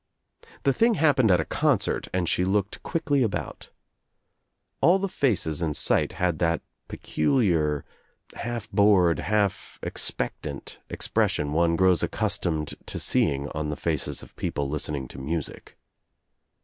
The thing happened at a concert and she looked quickly about. All the faces in sight had that peculiar, half bored, half expectant expression one grows accustomed to seeing on the faces of people listening to music.